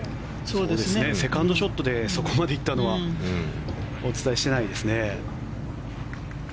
セカンドショットでそこまで行ったのはお伝えしていないですね。